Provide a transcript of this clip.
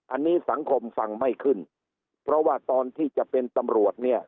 อันนี้สังคมฟังไม่ขึ้นเพราะว่าตอนที่จะเป็นตำรวจเนี่ย